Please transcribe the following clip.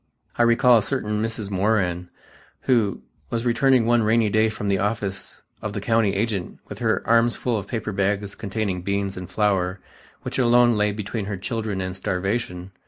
I recall a certain Mrs. Moran, who was returning one rainy day from the office of the county agent with her arms full of paper bags containing beans and flour which alone lay between her children and starvation.